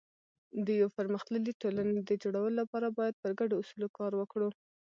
د یو پرمختللي ټولنې د جوړولو لپاره باید پر ګډو اصولو کار وکړو.